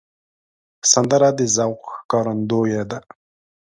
سندره د ذوق ښکارندوی ده